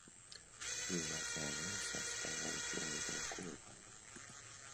He was an ancestor of Waldo Colburn.